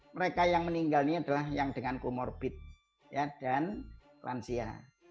mereka yang meninggal ini adalah yang dengan comorbid dan lansia